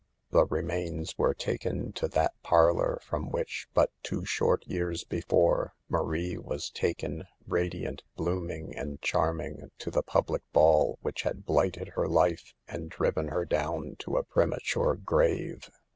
The remains were taken to that parlor from which, but two short years before, Marie was taken, radiant, blooming and charming, to the public ball which had blighted her life and driven hei down to a premature grave.